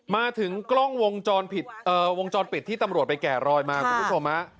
มาถึงกล้องวงจรปิดวงจรปิดที่ตำรวจไปแกะรอยมาคุณผู้ชมฮะ